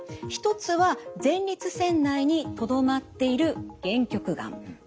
１つは前立腺内にとどまっている限局がん。